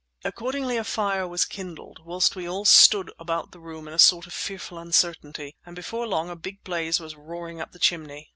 Accordingly a fire was kindled, whilst we all stood about the room in a sort of fearful uncertainty; and before long a big blaze was roaring up the chimney.